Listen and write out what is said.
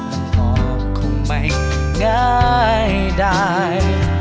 มันพอคงไม่ง่ายดาย